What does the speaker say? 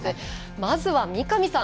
まずは三上さん。